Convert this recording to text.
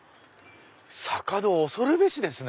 坂戸恐るべしですね。